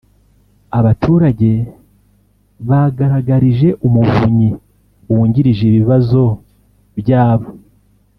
Abaturage bagaragarije Umuvunyi wungirije ibibazo bya bo